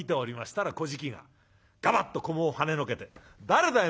たらこじきがガバッと菰をはねのけて「誰だよ！